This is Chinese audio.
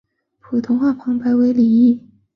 普通话旁白为李易。